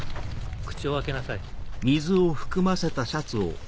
口をお開けなさい。